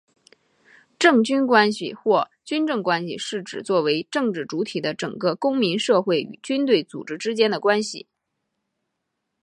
政军关系或军政关系是指作为政治主体的整个公民社会与军队组织之间的关系。